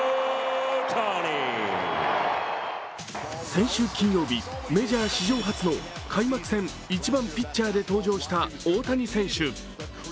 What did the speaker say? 先週金曜日、メジャー史上初の開幕戦１番・ピッチャーで登場した大谷選手。